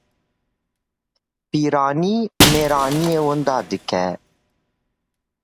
Piranî mêranîyê winda dike